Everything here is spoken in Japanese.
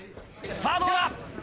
さぁどうだ！